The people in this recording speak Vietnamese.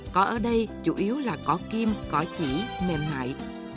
cỏ ở đây chủ yếu là cỏ kim cỏ chỉ mềm mại